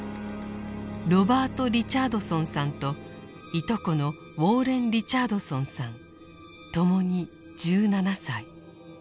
ロバート・リチャードソンさんといとこのウォーレン・リチャードソンさんともに１７歳。